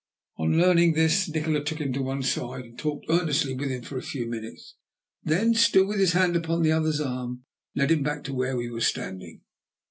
On learning this Nikola took him on one side and talked earnestly with him for a few minutes. Then, still with his hand upon the other's arm, he led him back to where we were standing.